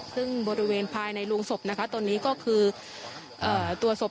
ซึ่งบริเวณภายในโรงศพนะคะตอนนี้ก็คือตัวศพ